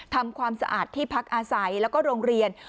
ทำความสะอาดที่พักอาศัยแล้วก็โรงเรียน